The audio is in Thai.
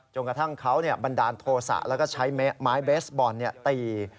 กระทั่งเขาบันดาลโทษะแล้วก็ใช้ไม้เบสบอลตี